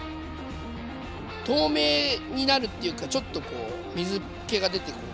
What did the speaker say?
透明になるっていうかちょっとこう水けが出てくる。